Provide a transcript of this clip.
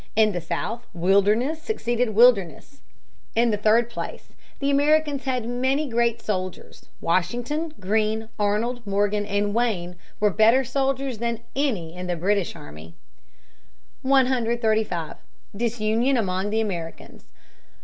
In the South wilderness succeeded wilderness. In the third place, the Americans had many great soldiers. Washington, Greene, Arnold, Morgan, and Wayne were better soldiers than any in the British army. [Sidenote: The Loyalists.] 135. Disunion among the Americans.